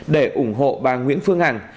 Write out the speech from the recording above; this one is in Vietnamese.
để ủng hộ bà nguyễn phương hằng